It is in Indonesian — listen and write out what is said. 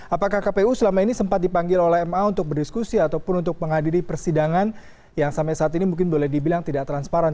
apakah kpu selama ini sempat dipanggil oleh ma untuk berdiskusi ataupun untuk menghadiri persidangan yang sampai saat ini mungkin boleh dibilang tidak transparan